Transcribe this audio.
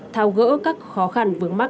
thao gỡ các khó khăn vướng mắt